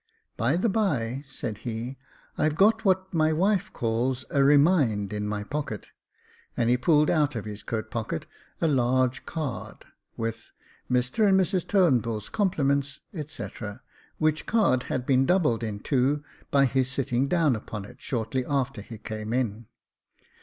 " By the by," said he, " I've got what my wife calls a remind in my pocket ;" and he pulled out of his coat pocket a large card, " with Mr and Mrs Turnbull's compliments," &c,, which card had been doubled in two by his sitting down upon it, shortly after he came in.